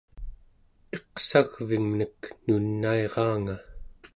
iqsagvimnek nunairaanga